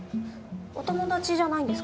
お友達じゃないんですか？